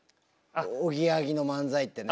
おぎやはぎの漫才ってね。